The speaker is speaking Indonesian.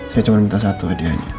saya cuma minta satu hadiahnya